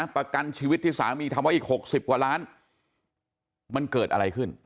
ประกันชีวิตที่สามีทำไว้อีก๖๐กว่าล้านมันเกิดอะไรขึ้น